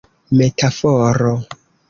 metaforo